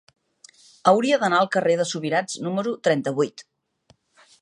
Hauria d'anar al carrer de Subirats número trenta-vuit.